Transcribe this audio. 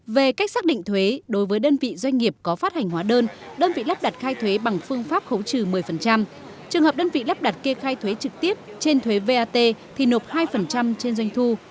về cách xác định thuế đối với đơn vị doanh nghiệp có phát hành hóa đơn đơn vị lắp đặt khai thuế bằng phương pháp khấu trừ một mươi trường hợp đơn vị lắp đặt kê khai thuế trực tiếp trên thuế vat thì nộp hai trên doanh thu